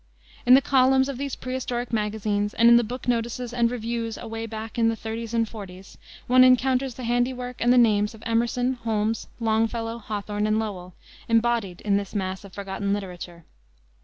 In the columns of these prehistoric magazines and in the book notices and reviews away back in the thirties and forties, one encounters the handiwork and the names of Emerson, Holmes, Longfellow, Hawthorne, and Lowell, embodied in this mass of forgotten literature.